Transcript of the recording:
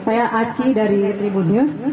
saya aci dari tribun news